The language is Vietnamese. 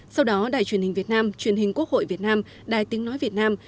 sau đó đài truyền hình việt nam truyền hình quốc hội việt nam đài tiếng nói việt nam